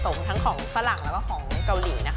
เอาล่ะเดินทางมาถึงในช่วงไฮไลท์ของตลอดกินในวันนี้แล้วนะครับ